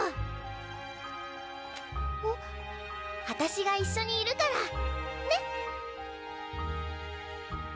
私が一緒にいるから。